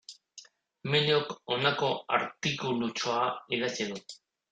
Emiliok honako artikulutxoa idatzi du.